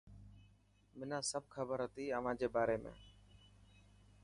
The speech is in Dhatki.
منان سڀ کبر هتي اوهان جي باري ۾.